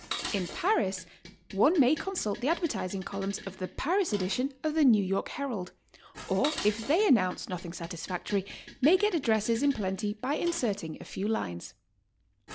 In Paris one may consult the advertising columns of the Paris edition of the New York Herald, or if they announce nothing satisfactory, may get addresses in plenty by inserting a few lines.